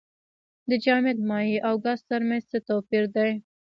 د جامد مایع او ګاز ترمنځ څه توپیر دی.